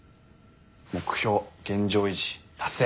「目標現状維持」達成。